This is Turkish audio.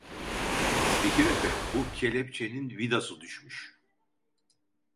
Bekir Efe, bu kelepçenin vidası düşmüş.